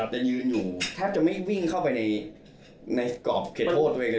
จะยืนอยู่แทบจะไม่วิ่งเข้าไปในกรอบเคร็ดโทษด้วยเลย